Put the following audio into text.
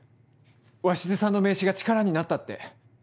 鷲津さんの名刺が力になったって。